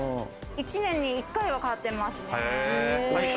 １年に１回は買ってます。